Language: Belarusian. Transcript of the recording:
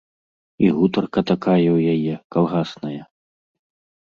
І гутарка такая ў яе, калгасная.